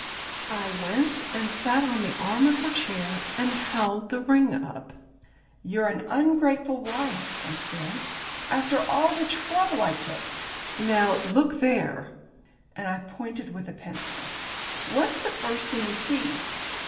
I went and sat on the arm of her chair, and held the ring up. "You're an ungrateful wife," I said, "after all the trouble I took. Now look there," and I pointed with a pencil, "what's the first thing you see?"